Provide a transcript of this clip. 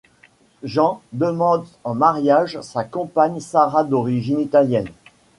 Jan demande en mariage sa compagne Sara d'origine italienne.